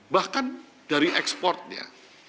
bahkan dari ekspornya